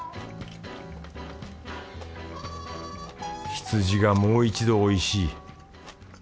羊がもう一度おいしい。